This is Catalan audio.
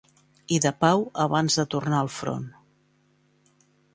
I de pau abans de tornar al front.